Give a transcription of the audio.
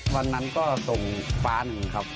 วันนั้นก็ส่งฟ้าหนึ่งครับ